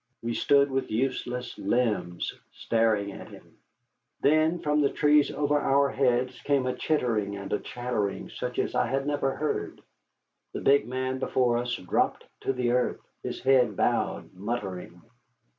We stood with useless limbs, staring at him. Then, from the trees over our heads, came a chittering and a chattering such as I had never heard. The big man before us dropped to the earth, his head bowed, muttering.